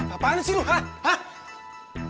apaan sih lu hah hah